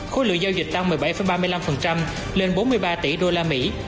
khối lượng giao dịch tăng một mươi bảy ba mươi năm lên bốn mươi ba tỷ usd